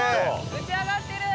打ち上がってる！